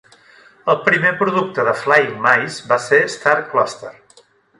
El primer producte de Flying Mice va ser StarCluster.